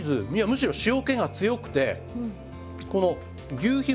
むしろ塩気が強くてこの求肥